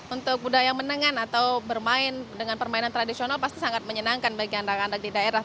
untuk budaya menengan atau bermain dengan permainan tradisional pasti sangat menyenangkan bagi anak anak di daerah